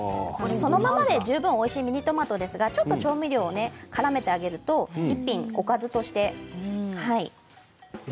そのままで十分おいしいミニトマトですがちょっと調味料をからめてあげると一品おかずとして。